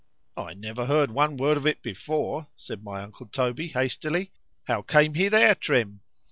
—I never heard one word of it before, said my uncle Toby, hastily:—How came he there, Trim?